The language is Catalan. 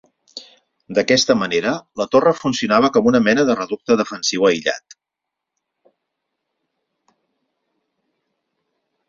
D'aquesta manera, la torre funcionava com una mena de reducte defensiu aïllat.